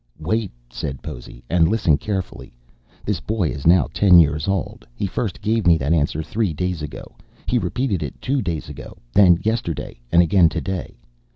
"Wait," said Possy, "and listen carefully. This boy is now ten years old. He first gave me that answer three days ago. He repeated it two days ago, then yesterday and again today.